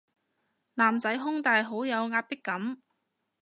男仔胸大好有壓迫感